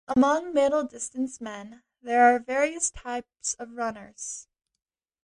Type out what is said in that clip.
Among middle-distance men there are various types of runners.